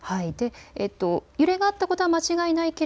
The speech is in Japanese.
揺れがあったことは間違いないが